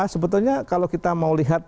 sebetulnya kalau kita mau lihat